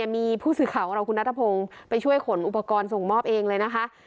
มีผู้สื่อข่าวของเราคุณนัทพงศ์ไปช่วยขนอุปกรณ์ส่งมอบเองเลยนะคะ